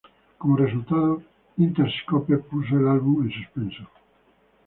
Como resultado, Interscope puso el álbum en suspenso.